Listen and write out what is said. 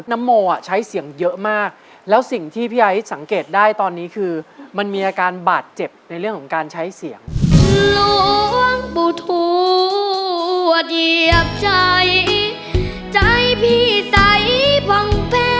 โมอ่ะใช้เสียงเยอะมากแล้วสิ่งที่พี่ไอ้สังเกตได้ตอนนี้คือมันมีอาการบาดเจ็บในเรื่องของการใช้เสียงหลวง